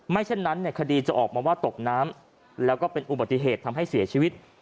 เช่นนั้นคดีจะออกมาว่าตกน้ำแล้วก็เป็นอุบัติเหตุทำให้เสียชีวิต